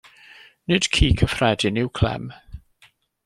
Nid ci cyffredin yw Clem!